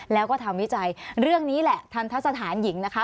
แล้วก็ทำวิจัยเรื่องนี้แหละทันทะสถานหญิงนะคะ